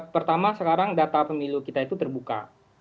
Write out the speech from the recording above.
pertama sekarang data pemilu kita itu terbuka